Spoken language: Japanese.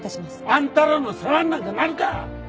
あんたらの世話になんかなるか！